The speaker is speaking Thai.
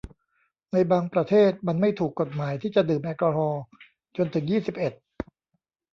ในบางประเทศมันไม่ถูกกฎหมายที่จะดื่มแอลกอฮอล์จนถึงยี่สิบเอ็ด